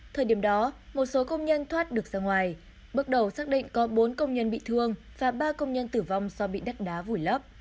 thời điểm đó một số công nhân thoát được ra ngoài bước đầu xác định có bốn công nhân bị thương và ba công nhân tử vong do bị đất đá vùi lấp